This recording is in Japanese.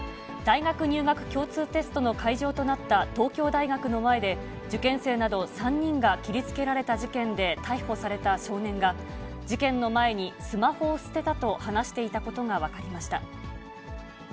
大学入学共通テストの会場となった東京大学の前で、受験生など３人が切りつけられた事件で逮捕された少年が、事件の前にスマホを捨てたと話していたことが分かりました。